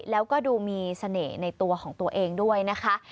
แล้วก็ดูมีเสน่ห์ในตัวของตัวเองด้วยนะคะ